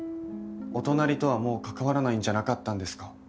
お隣とはもう関わらないんじゃなかったんですか？